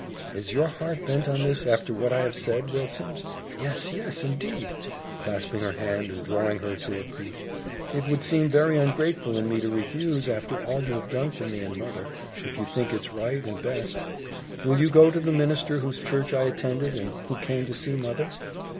"Is your heart bent on this, after what I have said, Wilson?" "Yes, yes, indeed!" clasping her hand and drawing her to her feet. "It would seem very ungrateful in me to refuse, after all you have done for me and mother, if you think it's right and best. Will you go to the minister whose church I attended, and who came to see mother?"